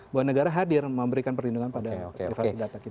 bahwa negara hadir memberikan perlindungan pada privasi data kita